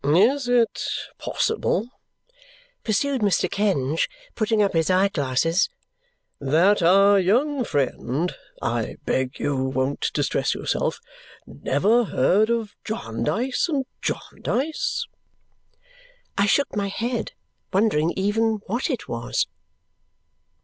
"Is it possible," pursued Mr. Kenge, putting up his eye glasses, "that our young friend I BEG you won't distress yourself! never heard of Jarndyce and Jarndyce!" I shook my head, wondering even what it was.